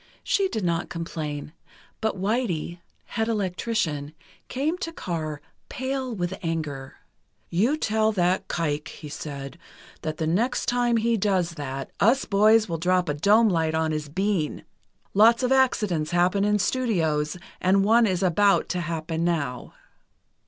She did not complain, but "Whitey," head electrician, came to Carr, pale with anger: "You tell that kike," he said, "that the next time he does that, us boys will drop a dome light on his bean. Lots of accidents happen in studios, and one is about to happen now."